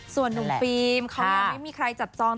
ส่วนหนุ่มฟิล์มเขายังไม่มีใครจับจอง